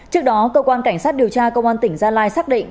trước đó cơ quan cảnh sát điều tra công an tỉnh gia lai xác định